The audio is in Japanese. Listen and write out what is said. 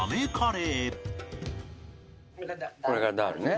これがダールね。